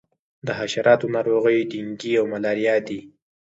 د حشراتو ناروغۍ ډینګي او ملیریا دي.